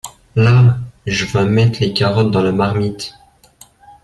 Là !… j’vas mettre mes carottes dans la marmite.